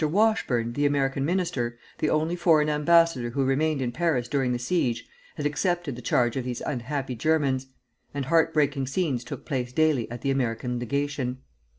Washburne, the American minister, the only foreign ambassador who remained in Paris during the siege, had accepted the charge of these unhappy Germans, and heart breaking scenes took place daily at the American Legation.